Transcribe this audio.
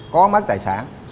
có mất tài sản